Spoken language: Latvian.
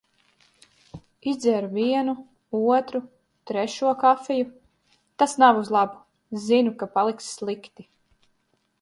Izdzēru vienu, otru, trešo kafiju, tas nav uz labu, zinu, ka paliks slikti.